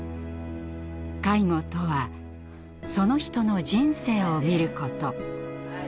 介護とはその人の人生を看ること。